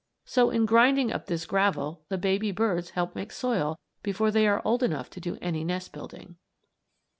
So, in grinding up this gravel the baby birds help make soil before they are old enough to do any nest building.